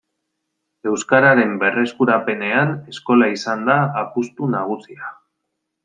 Euskararen berreskurapenean eskola izan da apustu nagusia.